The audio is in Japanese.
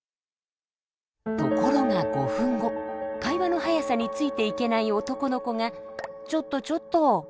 ところが５分後会話の速さについていけない男の子が「ちょっとちょっと」。